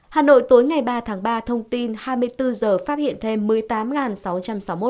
hà nội tối ngày ba tháng ba thông tin hai mươi bốn h phát hiện thêm